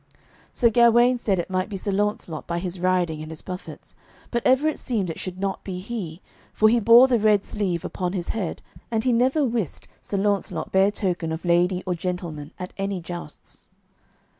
Sir Gawaine said it might be Sir Launcelot by his riding and his buffets, but ever it seemed it should not be he, for he bore the red sleeve upon his head, and he never wist Sir Launcelot bear token of lady or gentleman at any jousts.